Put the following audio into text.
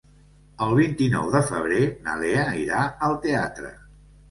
El vint-i-nou de febrer na Lea irà al teatre.